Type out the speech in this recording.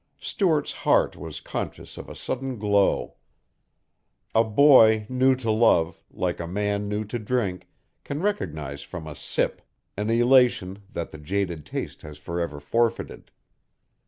Stuart's heart was conscious of a sudden glow. A boy new to love, like a man new to drink, can recognize from a sip an elation that the jaded taste has forever forfeited.